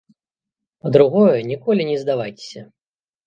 Па-другое, ніколі не здавайцеся.